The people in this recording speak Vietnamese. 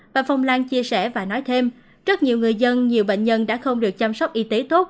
và phòng loan chia sẻ và nói thêm rất nhiều người dân nhiều bệnh nhân đã không được chăm sóc y tế tốt